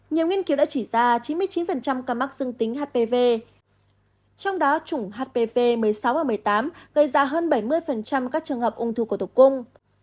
nhiều nghiên cứu đã chỉ ra chín mươi chín ca mắc dương tính hpv trong đó chủng hpv một mươi sáu và một mươi tám gây ra hơn bảy mươi các trường hợp ung thư cổ tử cung